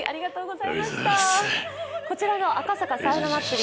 こちらの赤坂サウナ祭り